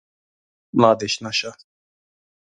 ملا دي شنه شه !